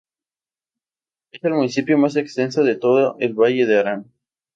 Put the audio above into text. Es el municipio más extenso de todo el Valle de Arán.